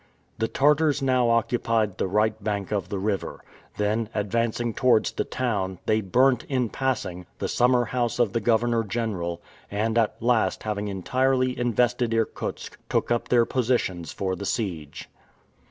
The Tartars now occupied the right bank of the river; then, advancing towards the town, they burnt, in passing, the summer house of the governor general, and at last having entirely invested Irkutsk, took up their positions for the siege.